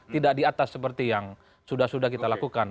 tidak di atas seperti yang sudah sudah kita lakukan